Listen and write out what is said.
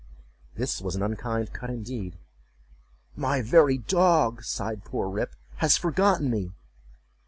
This was an unkind cut indeed—"My very dog," sighed poor Rip, "has forgotten me!"